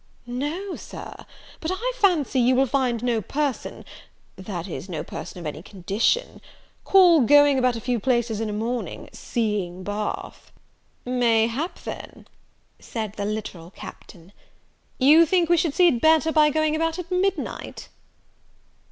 "No, Sir; but I fancy you will find no person that is no person of any condition call going about a few places in a morning seeing Bath." "Mayhap, then," said the literal Captain, "you think we should see it better by going about at midnight?"